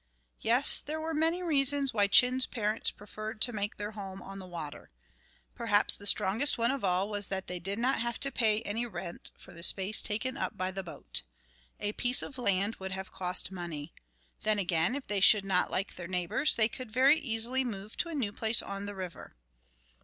Yes, there were many reasons why Chin's parents preferred to make their home on the water. Perhaps the strongest one of all was that they did not have to pay any rent for the space taken up by the boat. A piece of land would have cost money. Then, again, if they should not like their neighbours, they could very easily move to a new place on the river.